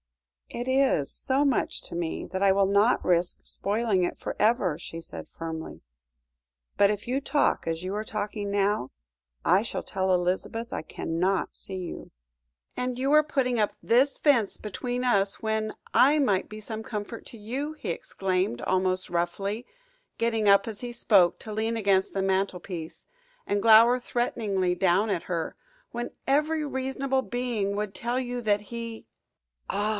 "It is so much to me that I will not risk spoiling it for ever," she said firmly; "but if you talk as you are talking now, I shall tell Elizabeth I cannot see you." "And you are putting up this fence between us, when I might be some comfort to you," he exclaimed, almost roughly, getting up as he spoke to lean against the mantelpiece, and glower threateningly down at her, "when every reasonable being would tell you that he " "Ah!